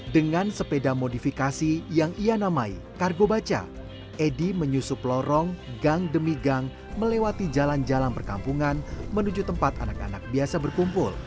dengan sepeda modifikasi yang ia namai kargo baca edy menyusup lorong gang demi gang melewati jalan jalan perkampungan menuju tempat anak anak biasa berkumpul